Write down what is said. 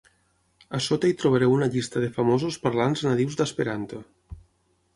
A sota hi trobareu una llista de famosos parlants nadius d'esperanto.